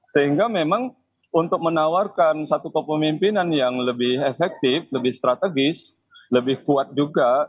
sehingga memang untuk menawarkan satu kepemimpinan yang lebih efektif lebih strategis lebih kuat juga